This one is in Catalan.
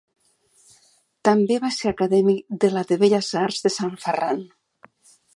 També va ser acadèmic de la de Belles arts de Sant Ferran.